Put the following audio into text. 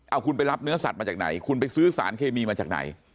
เอาคุณไปรับเนื้อสัตว์มาจากไหนคุณไปซื้อสารเคมีมาจากไหน